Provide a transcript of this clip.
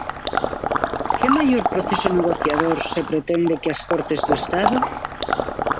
Que maior proceso negociador se pretende que as Cortes do Estado?